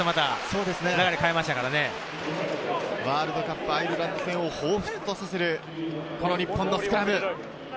ワールドカップ、アイルランド戦をほうふつとさせるこの日本のスクラム。